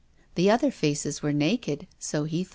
The other faces were naked. So he thought.